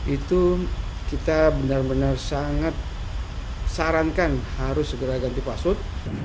itu kita benar benar sangat sarankan harus segera ganti password